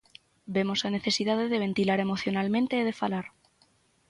Vemos a necesidade de ventilar emocionalmente e de falar.